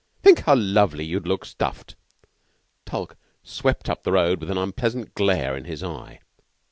Think how lovely you'd look stuffed!" Tulke swept up the road with an unpleasant glare in his eye.